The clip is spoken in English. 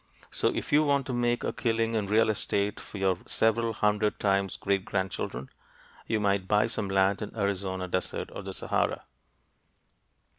So if you want to make a killing in real estate for your several hundred times great grandchildren, you might buy some land in the Arizona desert or the Sahara.